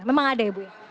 memang ada ya ibu ya